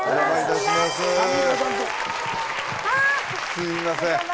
すいません。